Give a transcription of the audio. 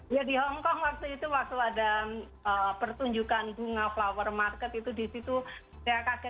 ya di hongkong waktu itu waktu ada pertunjukan bunga flower market itu disitu saya kaget